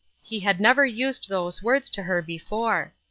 " he had never used those worda to her before.